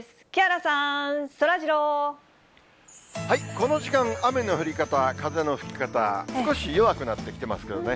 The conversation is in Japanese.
この時間、雨の降り方、風の吹き方、少し弱くなってきてますけどね。